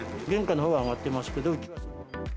原価のほうは上がってますけど。